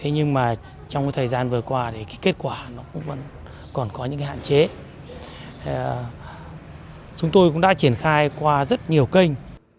nhưng trong thời gian vừa qua kết quả vẫn còn có những hạn chế chúng tôi cũng đã triển khai qua rất nhiều kênh